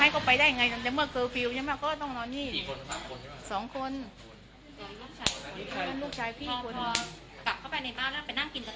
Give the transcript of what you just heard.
กลับเข้าไปในบ้านแล้วไปนั่งกินกันต่อเลยบ้าง